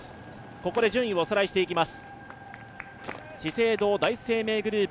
ここで順位をおさらいしていきます。